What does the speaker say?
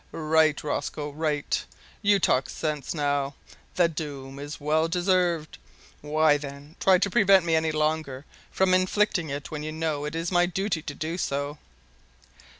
"Right, Rosco, right; you talk sense now, the doom is well deserved. Why, then, try to prevent me any longer from inflicting it when you know it is my duty to do so?"